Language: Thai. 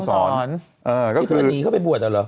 แล้วก็คือที่ทุกคนหนีก็ไปบวชเหรอ